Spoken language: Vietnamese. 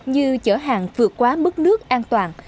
như chở hàng vượt quá mức nước an toàn